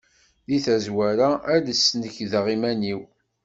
Deg tazwara ad d-snekdeɣ iman-iw.